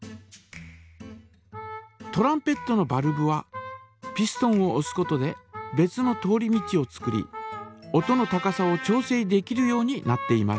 トランペットのバルブはピストンをおすことで別の通り道を作り音の高さを調整できるようになっています。